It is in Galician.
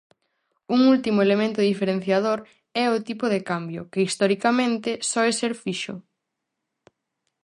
Un último elemento diferenciador é o tipo de cambio, que historicamente soe ser fixo.